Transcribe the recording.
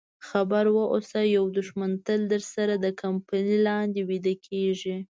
خبر واوسه یو دښمن تل درسره د کمپلې لاندې ویده کېږي.